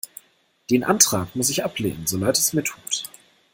Den Antrag muss ich ablehnen, so leid es mir tut.